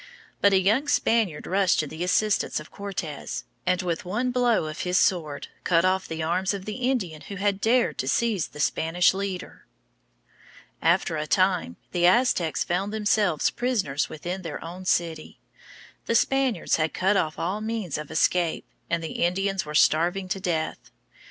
But a young Spaniard rushed to the assistance of Cortes, and with one blow of his sword cut off the arms of the Indian who had dared to seize the Spanish leader. After a time the Aztecs found themselves prisoners within their own city. The Spaniards had cut off all means of escape, and the Indians were starving to death.